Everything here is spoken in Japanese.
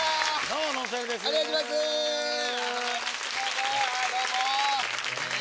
どうも。